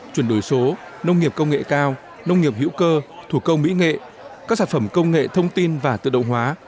chuyển đổi số nông nghiệp công nghệ cao nông nghiệp hữu cơ thủ công mỹ nghệ các sản phẩm công nghệ thông tin và tự động hóa